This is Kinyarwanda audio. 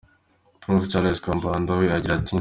Prof Charles Kambanda we agira ati: